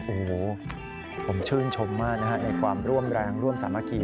โอ้โฮผมชื่นชมมากในความร่วมแรงร่วมสัมพักฐี